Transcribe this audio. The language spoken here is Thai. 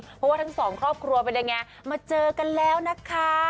เพราะว่าทั้งสองครอบครัวเป็นยังไงมาเจอกันแล้วนะคะ